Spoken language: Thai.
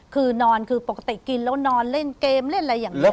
คือนอนคือปกติกินแล้วนอนเล่นเกมเล่นอะไรอย่างนี้